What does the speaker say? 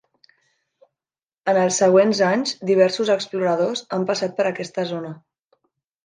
Ens els següents anys, diversos exploradors han passat per aquesta zona.